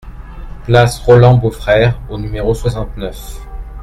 Place Roland Beaufrère au numéro soixante-neuf